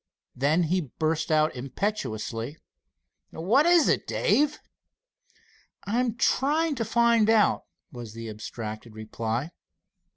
Then he burst out impetuously: "What is it, Dave?" "I'm trying to find out," was the abstracted reply.